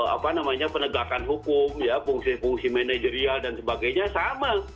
apa namanya penegakan hukum ya fungsi fungsi manajerial dan sebagainya sama